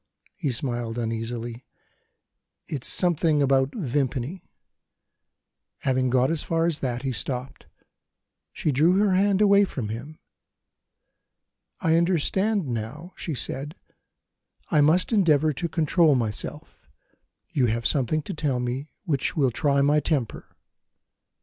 He smiled uneasily: "It's something about Vimpany." Having got as far as that, he stopped. She drew her hand away from him. "I understand now," she said; "I must endeavour to control myself you have something to tell me which will try my temper."